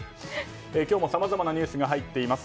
今日もさまざまなニュースが入っています。